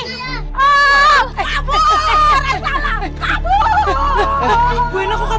udah kenapa jadi para ngobrol diskusi di sini ayo kita kabur